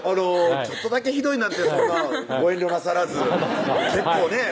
「ちょっとだけひどい」なんてそんなご遠慮なさらず結構ね